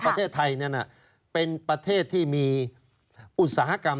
ประเทศไทยนั้นเป็นประเทศที่มีอุตสาหกรรม